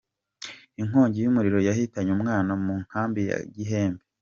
Inkongi y’umuriro yahitanye umwana mu nkambi ya Gihembe.